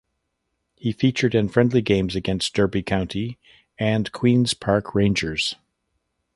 He featured in friendly games against Derby County and Queens Park Rangers.